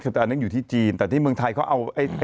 ใช่อยู่ที่จีนต่อที่เมืองไทยเขาเอา